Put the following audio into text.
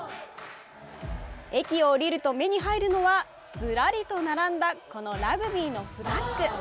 駅を降りると目に入るのはずらりと並んだこのラグビーのフラッグ。